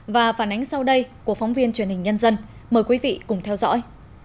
và phản ánh sau đây của phóng viên truyền hình nhân dân mời quý vị cùng theo dõi